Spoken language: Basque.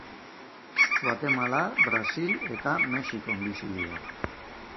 Guatemala, Brasil eta Mexikon bizi dira.